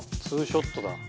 ツーショットだ。